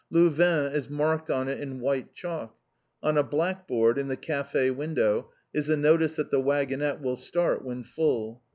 "Louvain" is marked on it in white chalk. On a black board, in the café window, is a notice that the waggonette will start when full.